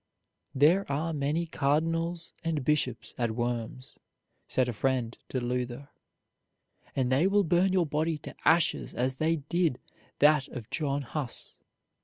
"There are many cardinals and bishops at Worms," said a friend to Luther, "and they will burn your body to ashes as they did that of John Huss."